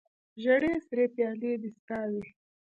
ژړې سرې پیالې دې ستا وي